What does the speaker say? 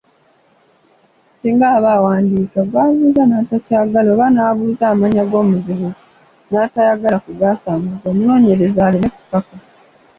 Singa aba awandiika, gw’abuuza n’atakyagala, oba n’abuuza amannya g’omuzibuzi n’atayagala kugaasanguza, omunoonyereze aleme kukaka.